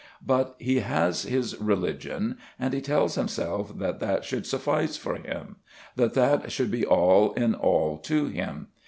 But he has his religion, and he tells himself that that should suffice for him; that that should be all in all to him.